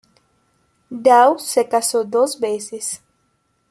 Daw Se casó dos veces.